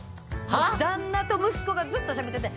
旦那と息子がずっとしゃべってて。